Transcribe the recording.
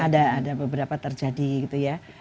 ada beberapa terjadi gitu ya